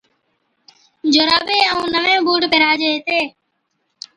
جورابي ائُون نوين بُوٽ پيھِراجي ھِتي